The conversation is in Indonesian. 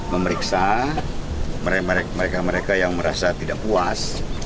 memeriksa mereka mereka yang merasa tidak puas